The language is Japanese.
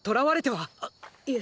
あっいえ